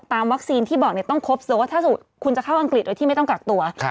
วัคซีนที่บอกต้องครบโซนถ้าสมมุติคุณจะเข้าอังกฤษโดยที่ไม่ต้องกักตัว